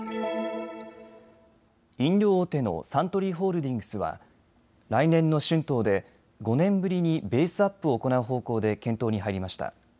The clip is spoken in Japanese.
飲料大手のサントリーホールディングスは来年の春闘で５年ぶりにベースアップを行う方向で検討に入りました。